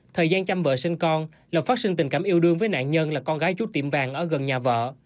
thời gian chăm vợ sinh con là phát sinh tình cảm yêu đương với nạn nhân là con gái chút tiệm vàng ở gần nhà vợ